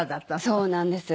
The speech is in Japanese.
そうなんです。